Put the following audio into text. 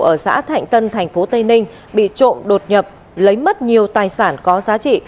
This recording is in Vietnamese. ở xã thạnh tân tp tây ninh bị trộm đột nhập lấy mất nhiều tài sản có giá trị